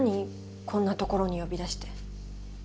こんなところに呼び出して。